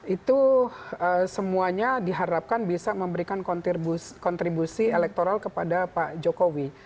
itu semuanya diharapkan bisa memberikan kontribusi elektoral kepada pak jokowi